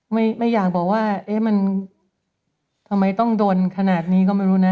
ไม่ไม่อยากบอกว่าเอ๊ะมันทำไมต้องโดนขนาดนี้ก็ไม่รู้นะ